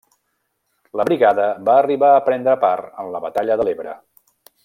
La brigada va arribar a prendre part en la batalla de l'Ebre.